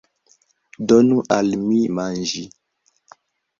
Donu al mi manĝi!